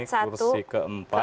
ini kursi keempat